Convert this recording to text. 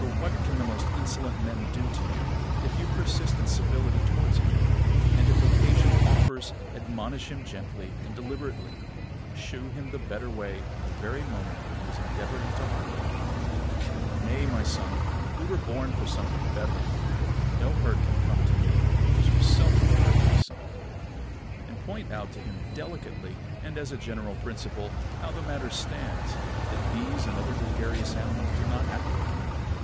For what can the most insolent of men do to you, if you persist in civility towards him; and, if occasion offers, admonish him gently and deliberately, shew him the better way at the very moment that he is endeavouring to harm you? "Nay, my son; we were born for something better. No hurt can come to me; it is yourself you hurt, my son." And point out to him delicately, and as a general principle, how the matter stands; that bees and other gregarious animals do not act like him.